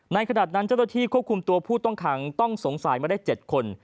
ขณะนั้นเจ้าหน้าที่ควบคุมตัวผู้ต้องขังต้องสงสัยมาได้๗คน